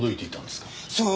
そう。